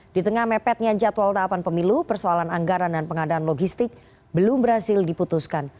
di tengah mepetnya jadwal tahapan pemilu persoalan anggaran dan pengadaan logistik belum berhasil diputuskan